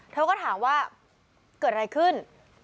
เธอก็ถามว่าเกิดอะไรขึ้น